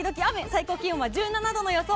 最高気温は１７度の予想